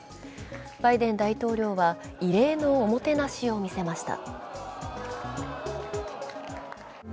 バイデン大統領は異例のおもてなしを見せました。